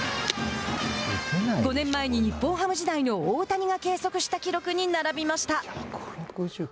５年前に日本ハム時代の大谷が計測した記録に並びました。